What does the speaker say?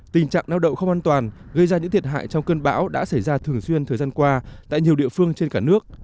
tình trạng neo đậu không an toàn gây ra những thiệt hại trong cơn bão đã xảy ra thường xuyên thời gian qua tại nhiều địa phương trên cả nước